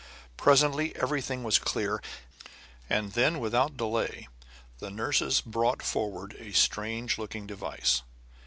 Presently everything was clear; and then, without delay, the nurses brought forward a strange looking device.